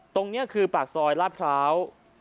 ตรงนี้คือปากซอยลาดพร้าว